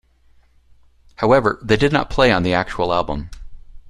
However, they did not play on the actual album.